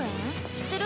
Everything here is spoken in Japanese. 知ってる？